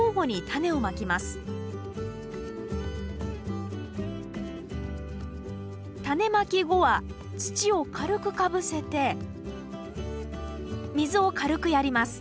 タネまき後は土を軽くかぶせて水を軽くやります